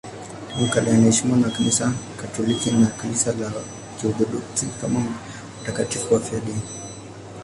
Tangu kale wanaheshimiwa na Kanisa Katoliki na Kanisa la Kiorthodoksi kama watakatifu wafiadini.